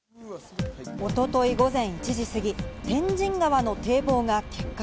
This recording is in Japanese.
一昨日午前１時過ぎ、天神川の堤防が決壊。